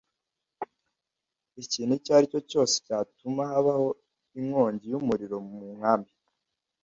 ikintu icyo ari cyo cyose cyatuma habaho inkongi y’umuriro mu nkambi.